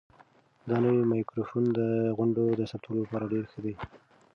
دا نوی مایکروفون د غونډو د ثبتولو لپاره ډېر ښه دی.